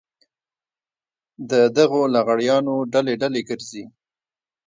د دغو لغړیانو ډلې ډلې ګرځي.